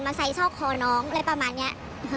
มาใส่ช่อกคอน้องอะไรประมาณนี้